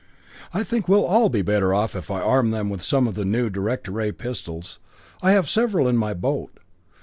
"I think we'll all be better off if I arm them with some of the new director ray pistols. I have several in my boat.